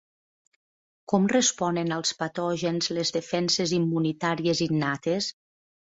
Com responen als patògens les defenses immunitàries innates?